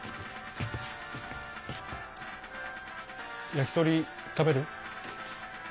焼きとり食べる？